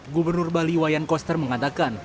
gubernur bali wayan koster mengatakan